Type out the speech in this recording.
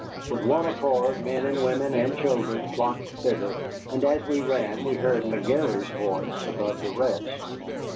With one accord men and women and children flocked thither, and as we ran we heard McGary's voice above the rest.